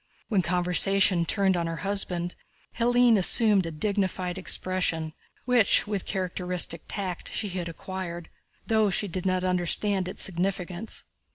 When conversation turned on her husband Hélène assumed a dignified expression, which with characteristic tact she had acquired though she did not understand its significance.